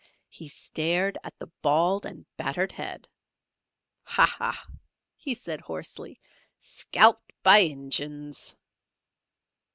He stared at the bald and battered head. "Ha! ha!" he said, hoarsely; "skelped by Injins!"